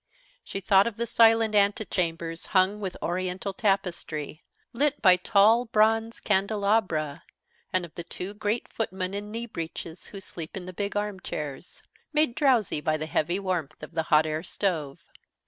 She thought of the silent antechambers hung with Oriental tapestry, lit by tall bronze candelabra, and of the two great footmen in knee breeches who sleep in the big armchairs, made drowsy by the heavy warmth of the hot air stove.